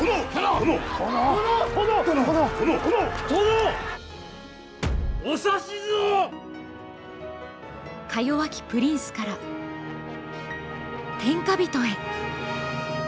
殿！お指図を！かよわきプリンスから天下人へ。